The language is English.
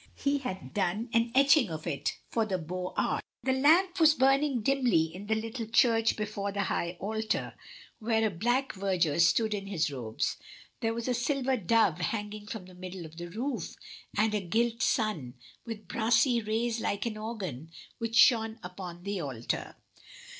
He had done an etching of it for the "Beaux Arts." The lamp was burning dimly in the little church before the high altar, where a black verger stood in his robes. There was a silver dove hanging from the middle of the roof, and a gilt sun, with brassy rays like an organ, which shone upon the altar.